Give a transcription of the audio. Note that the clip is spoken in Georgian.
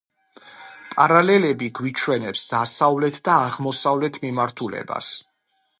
პარალელები გვიჩვენებს დასავლეთ და აღმოსავლეთ მიმართულებას.